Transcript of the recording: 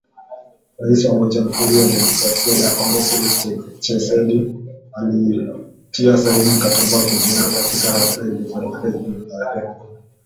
Rais wa Jamuhuri ya Demokrasia ya Kongo Felix Tchisekedi alitia saini mkataba wa kujiunga, katika hafla iliyofanyika Ikulu ya Nairobi